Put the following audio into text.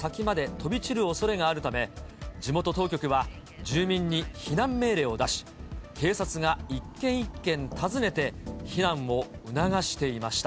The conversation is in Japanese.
飛び散るおそれがあるため、地元当局は、住民に避難命令を出し、警察が一軒一軒訪ねて、避難を促していました。